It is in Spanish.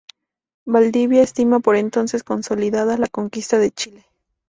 Valdivia estimaba por entonces consolidada la conquista de Chile.